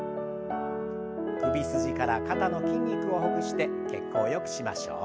首筋から肩の筋肉をほぐして血行をよくしましょう。